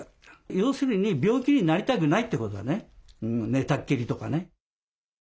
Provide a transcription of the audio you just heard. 要するに病気になりたくないってことだね寝たっきりとかね。